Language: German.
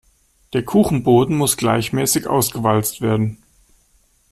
Der Kuchenboden muss gleichmäßig ausgewalzt werden.